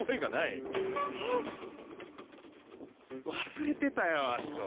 忘れてたよ葦人。